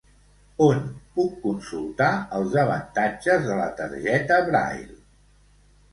On puc consultar els avantatges de la targeta Braile?